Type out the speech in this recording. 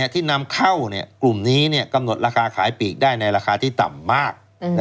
ที่นำเข้ากลุ่มนี้กำหนดราคาขายปีกได้ในราคาที่ต่ำมาก